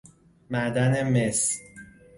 معدن مس